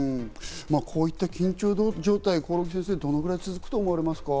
こういった緊張状態、興梠先生、どのくらい続くと思いますか？